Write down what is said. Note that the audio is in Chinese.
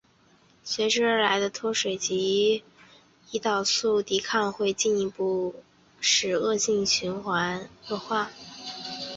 随之而来的脱水及胰岛素抵抗会进一步使恶性循环恶化。